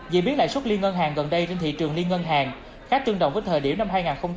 vì biết lãi suất liên ngân hàng gần đây có thể giảm từ một chín mươi sáu đến năm ba mươi sáu mỗi năm